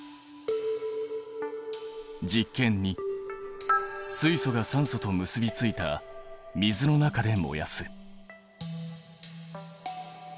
実験２水素が酸素と結びついた水の中で燃やす。